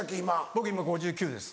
僕今５９歳です。